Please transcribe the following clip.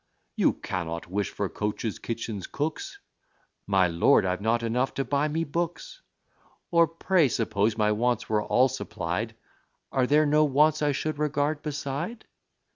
You cannot wish for coaches, kitchens, cooks " "My lord, I've not enough to buy me books Or pray, suppose my wants were all supplied, Are there no wants I should regard beside?